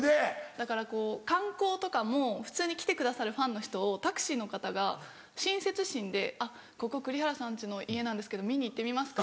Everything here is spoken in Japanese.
だから観光とかも普通に来てくださるファンの人をタクシーの方が親切心で「ここ栗原さん家の家なんですけど見に行ってみますか？」